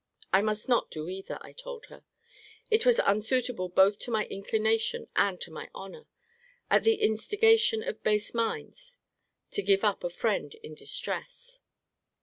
I must not do either, I told her. It was unsuitable both to my inclination and to my honour, at the instigation of base minds to give up a friend in distress.